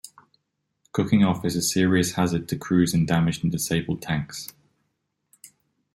Cooking off is a serious hazard to crews in damaged and disabled tanks.